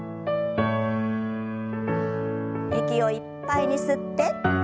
息をいっぱいに吸って。